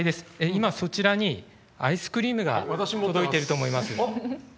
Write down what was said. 今、そちらにアイスクリームが届いていると思います。